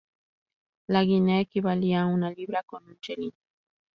La guinea equivalía a una libra con un chelín.